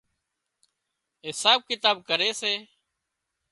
حساب ڪتاب ڪري سي